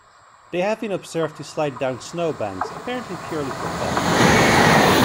They have been observed to slide down snowbanks, apparently purely for fun.